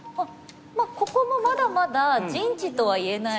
まあここもまだまだ陣地とは言えない。